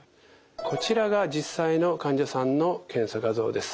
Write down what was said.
こちらが実際の患者さんの検査画像です。